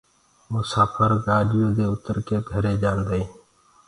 مساڦر گآڏيو دي اُتر ڪي گھرينٚ جآنٚدآئينٚ